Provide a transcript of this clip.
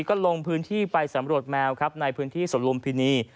ก็ลงพื้นที่ไปสำรวจแมวครับในพื้นที่สวนลุมพินี